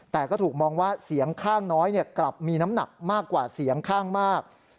แต่ก็ถูกมองว่าเสียงข้างน้อยกลับมีน้ำหนักมากกว่าเสียงข้างมาก